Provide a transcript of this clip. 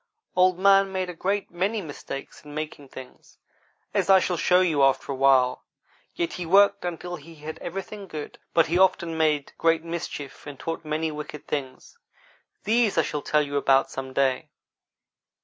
Old man made a great many mistakes in making things, as I shall show you after a while; yet he worked until he had everything good. But he often made great mischief and taught many wicked things. These I shall tell you about some day.